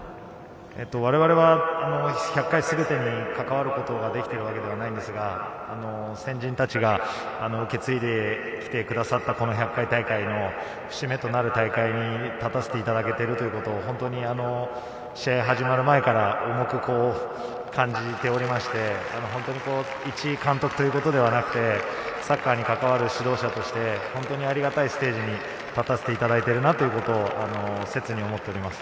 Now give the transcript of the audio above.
我々は１００回全てに関わることができているわけではないですが、先人たちが受け継いできてくださった、この１００回大会の節目となる大会に立たせてもらっているということを本当に試合が始まる前から重く感じていまして、いち監督ということではなくて、サッカーに関わる指導者として本当にありがたいステージに立たせてもらっているなと切に思っています。